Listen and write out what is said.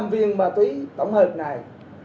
tám trăm linh viên ma túy tổng hợp này